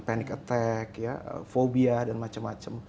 panic attack fobia dan macam macam